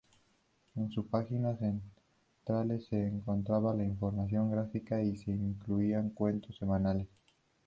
En sus páginas centrales se encontraba la información gráfica y se incluían cuentos semanales.